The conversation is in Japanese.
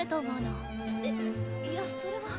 えいやそれは。